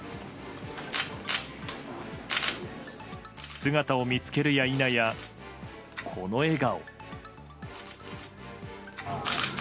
姿を見つけるや否や、この笑顔。